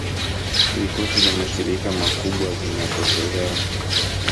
Ripoti za mashirika makubwa zinapotolewa